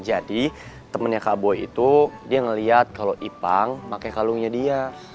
jadi temennya kak boy itu dia ngeliat kalo ipang pake kalungnya dia